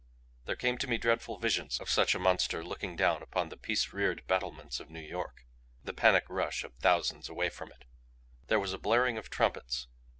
There came to me dreadful visions of such a monster looking down upon the peace reared battlements of New York the panic rush of thousands away from it. There was a blaring of trumpets.